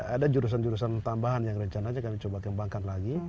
ada jurusan jurusan tambahan yang rencananya kami coba kembangkan lagi